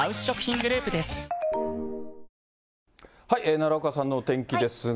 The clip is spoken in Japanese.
奈良岡さんの天気ですが。